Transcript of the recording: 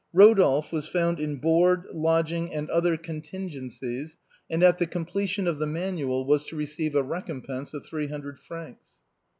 Eodolphe was found in board, lodging, and other contingencies, and at the completion of the manual was to receive a recompense of three hundred francs.